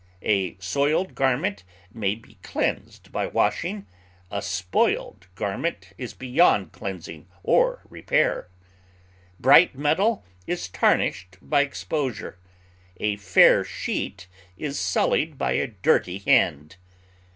A soiled garment may be cleansed by washing; a spoiled garment is beyond cleansing or repair. Bright metal is tarnished by exposure; a fair sheet is sullied by a dirty hand.